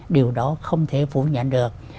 điều đó không thể phủ nhận được